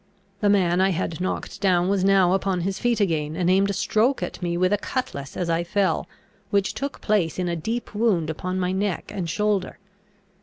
The man I had knocked down was now upon his feet again, and aimed a stroke at me with a cutlass as I fell, which took place in a deep wound upon my neck and shoulder.